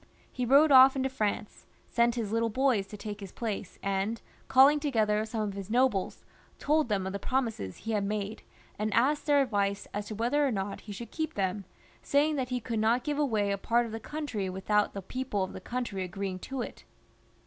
He rode off into France, sent his little boys to take his place, and calling together some of his nobles, told them of the promises he had made, and asked their advice as to whether or not he should keep them. I > XXXV.] ^ FRANCIS L 251 saying that he could not give away a part of the country without the people of the country agreeing to it.